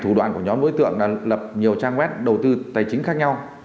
thủ đoạn của nhóm đối tượng là lập nhiều trang web đầu tư tài chính khác nhau